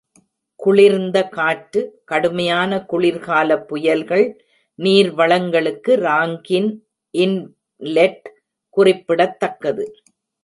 குளிர்ந்த காற்று, கடுமையான குளிர்கால புயல்கள், நீர்வளங்களுக்கு ராங்கின் இன்லெட் குறிப்பிடத்தக்கது.